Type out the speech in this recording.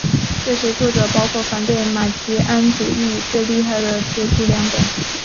这些作者包括反对马吉安主义最厉害的铁徒良等。